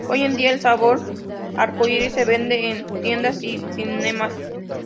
Hoy en día el sabor "arco iris" se vende en tiendas y cinemas.